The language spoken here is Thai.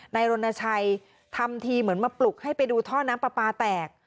รณชัยทำทีเหมือนมาปลุกให้ไปดูท่อน้ำปลาปลาแตก